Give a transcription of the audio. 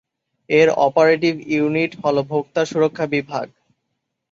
এর operative unit হলো ভোক্তা সুরক্ষা বিভাগ।